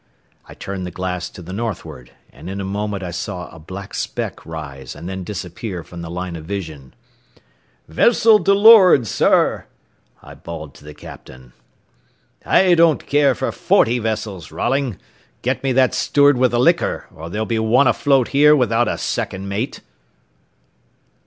I turned the glass to the northward, and in a moment I saw a black speck rise and then disappear from the line of vision. "Vessel to lor'ard, sir," I bawled to the captain. "I don't care for forty vessels, Rolling. Get me that steward with the liquor, or there'll be one afloat here without a second mate."